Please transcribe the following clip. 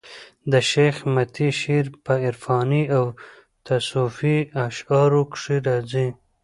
د شېخ متي شعر په عرفاني او تصوفي اشعارو کښي راځي.